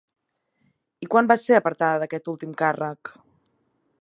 I quan va ser apartada d'aquest últim càrrec?